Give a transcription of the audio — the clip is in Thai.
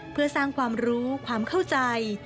เพื่อสร้างความรู้ความเข้าใจ